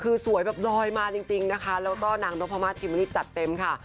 คือสวยแบบลอยมาจริงนะคะแล้วก็นางนพมาสกิมณิตจัดเต็มค่ะ